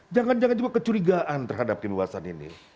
jangan jangan juga kecurigaan terhadap kebebasan ini